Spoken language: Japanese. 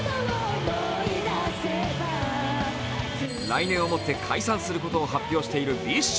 来年をもって解散することを発表しているＢｉＳＨ。